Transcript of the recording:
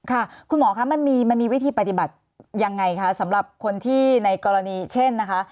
ค่ะคุณหมอคะมันมีวิธีปฏิบัติยังไงคะสำหรับคนที่ในกรณีเช่นนะคะ